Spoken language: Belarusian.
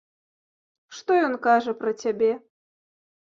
Што ён кажа пра цябе.